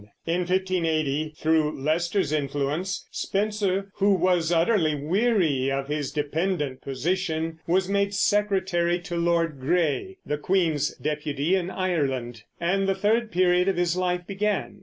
In 1580, through Leicester's influence, Spenser, who was utterly weary of his dependent position, was made secretary to Lord Grey, the queen's deputy in Ireland, and the third period of his life began.